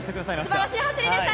すばらしい走りでした。